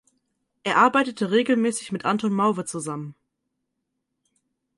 Er arbeitete regelmäßig mit Anton Mauve zusammen.